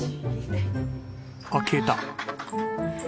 あっ消えた。